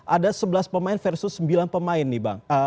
ada sebelas pemain versus sembilan pemain nih bang